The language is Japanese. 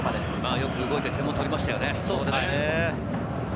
よく動いて点を取りましたよね。